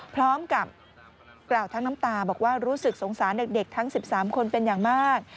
พร้อมกับกล่าวทั้งน้ำตาบอกว่ารู้สึกสงสารเด็กทั้ง๑๓คนเป็นอย่างมาก